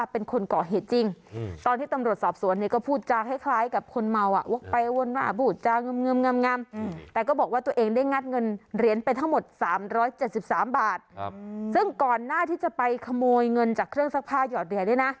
เป็นทั้งหมดสามร้อยเจ็ดสิบสามบาทครับซึ่งก่อนหน้าที่จะไปขโมยเงินจากเครื่องซักผ้าหยอดเรียนเนี่ยนะ